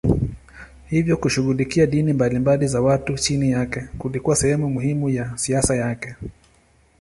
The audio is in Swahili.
Hivyo kushughulikia dini mbalimbali za watu chini yake kulikuwa sehemu muhimu ya siasa yake.